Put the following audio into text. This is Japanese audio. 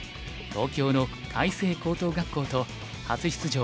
東京の開成高等学校と初出場